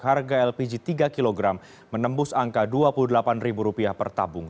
harga lpg tiga kg menembus angka rp dua puluh delapan per tabung